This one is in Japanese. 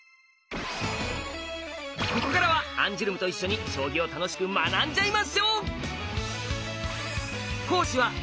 ここからはアンジュルムと一緒に将棋を楽しく学んじゃいましょう！